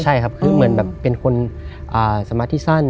ใช่ครับคือเหมือนแบบเป็นคนสมาธิสั้น